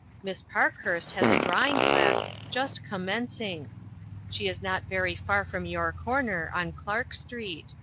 Miss Parkhurst has a drawing class just commenc ing. She is not very far from your corner, on Clark street.